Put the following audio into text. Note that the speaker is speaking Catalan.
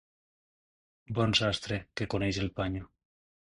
Bon sastre, que coneix el panyo.